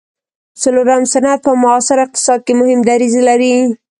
څلورم صنعت په معاصر اقتصاد کې مهم دریځ لري.